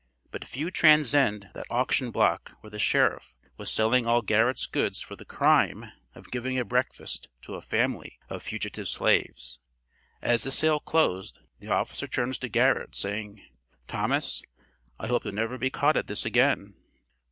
But few transcend that auction block where the sheriff was selling all Garrett's goods for the crime (!) of giving a breakfast to a family of fugitive slaves. As the sale closed, the officer turns to Garrett, saying: 'Thomas, I hope you'll never be caught at this again.'